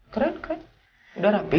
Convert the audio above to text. keren keren udah rapih